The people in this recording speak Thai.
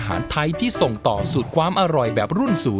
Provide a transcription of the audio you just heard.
อ้าวที่จราบเชื้อ